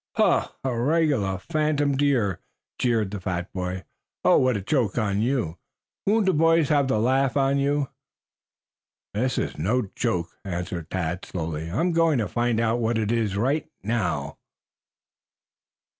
"A regular phantom deer," jeered the fat boy. "Oh, what a joke on you. Won't the boys have the laugh on you?" "This is no joke," answered Tad slowly. "I'm going to find out what it is right now."